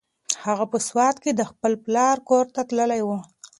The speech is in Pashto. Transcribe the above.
هغه په سوات کې د خپل پلار کور ته تللې وه.